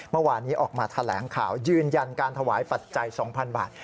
เมื่อวานนี้ออกมาแถลงข่าวยืนยันการถวายปัจจัย๒๐๐๐บาท